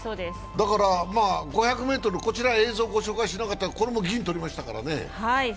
だから５００ｍ、こちら、映像ご紹介しなかったけど、これも銀取りましたからね。